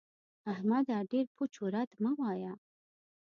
احمده! ډېر پوچ و رد مه وايه.